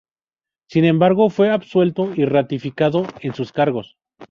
Sin embargo, fue absuelto y ratificado en sus cargos.